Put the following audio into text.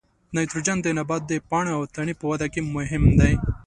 نایتروجن د نبات د پاڼې او تنې په وده کې مهم دی.